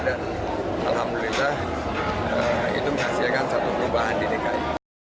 dan alhamdulillah itu menghasilkan satu perubahan di dki